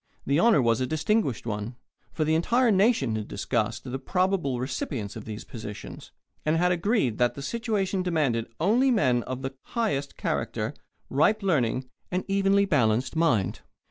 The honour was a distinguished one, for the entire nation had discussed the probable recipients of these positions, and had agreed that the situation demanded only men of the highest character, ripe learning, and evenly balanced mind.